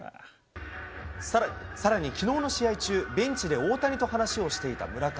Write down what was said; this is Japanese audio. さらに、きのうの試合中、ベンチで大谷と話をしていた村上。